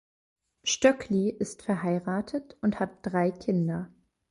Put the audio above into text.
Stöckli ist verheiratet und hat drei Kinder.